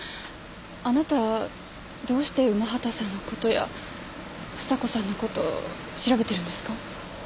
あなたどうして午端さんのことや房子さんのこと調べてるんですか？